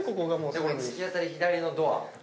で突き当たり左のドア。